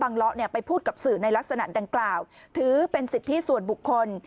เลาะไปพูดกับสื่อในลักษณะดังกล่าวถือเป็นสิทธิส่วนบุคคล